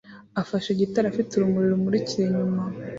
afashe gitari afite urumuri rumurikira inyuma